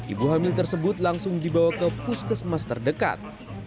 ibu hamil tersebut langsung dibawa ke puskesmas terdekat